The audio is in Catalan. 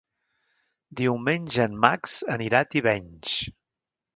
Diumenge en Max anirà a Tivenys.